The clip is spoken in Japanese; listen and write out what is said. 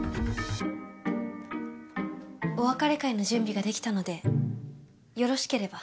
お別れ会の準備ができたのでよろしければ。